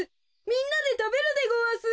みんなでたべるでごわす。